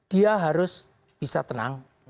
dia harus bisa tenang